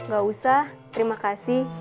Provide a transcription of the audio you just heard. gak usah terima kasih